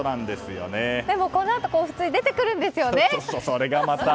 でもこのあと普通に出てくるんですよね。